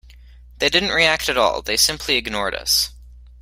They didn't react at all; they simply ignored us.